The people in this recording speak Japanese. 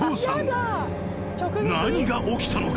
［何が起きたのか？］